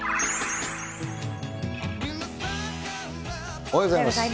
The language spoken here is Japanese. おはようございます。